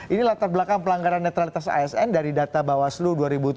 ini latar belakang pelanggaran netralitas asn dari data bawaslu dua ribu tujuh belas